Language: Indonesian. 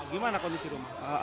gimana kondisi rumah